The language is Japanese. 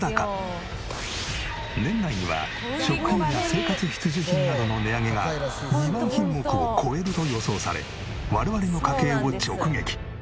年内には食品や生活必需品などの値上げが２万品目を超えると予想され我々の家計を直撃！